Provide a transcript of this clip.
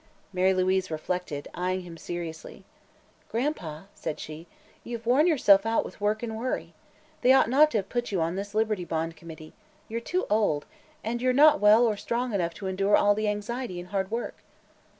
Mary Louise reflected, eyeing him seriously. "Gran'pa," said she, "you've worn yourself out with work and worry. They ought not to have put you on this Liberty Bond Committee; you're too old, and you're not well or strong enough to endure all the anxiety and hard work."